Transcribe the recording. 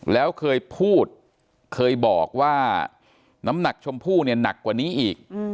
แล้วเคยพูดเคยบอกว่าน้ำหนักชมพู่เนี่ยหนักกว่านี้อีก